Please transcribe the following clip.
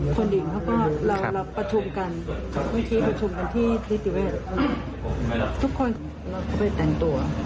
คนอีกเขาก็เรารับประทุมกันที่กำเนินทุกคนก็ไปแต่งตัว